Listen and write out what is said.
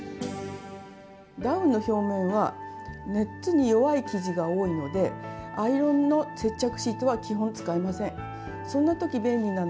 ダウンの表面は熱に弱い生地が多いのでアイロンの接着シートは基本使えません。